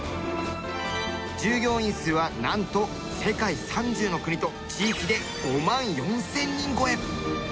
従業員数はなんと世界３０の国と地域で５万４０００人超え。